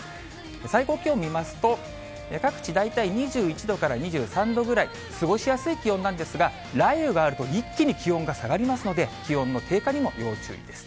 最高気温を見ますと、各地、大体２１度から２３度ぐらい、過ごしやすい気温なんですが、雷雨があると一気に気温が下がりますので、気温の低下にも要注意です。